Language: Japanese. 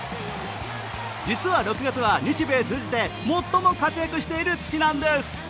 実は６月は日米通じて最も活躍している月なんです。